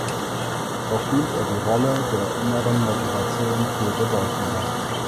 Doch hielt er die Rolle der inneren Motivation für bedeutender.